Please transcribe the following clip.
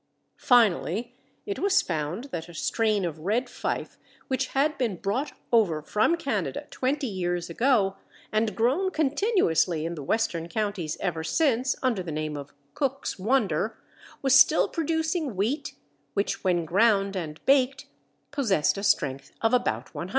Finally it was found that a strain of Red Fife which had been brought over from Canada 20 years ago, and grown continuously in the western counties ever since, under the name of Cook's Wonder, was still producing wheat which when ground and baked possessed a strength of about 100.